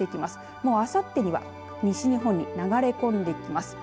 もう、あさってには西日本に流れ込んできます。